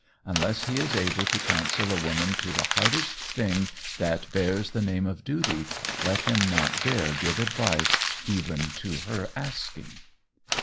Unless he is able to counsel a woman to the hardest thing that bears the name of duty, let him not dare give advice even to her asking.